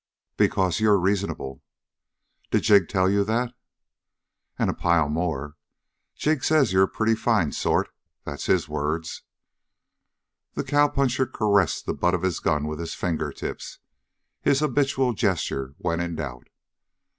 "Because you're reasonable." "Did Jig tell you that?" "And a pile more. Jig says you're a pretty fine sort. That's his words." The cowpuncher caressed the butt of his gun with his fingertips, his habitual gesture when in doubt.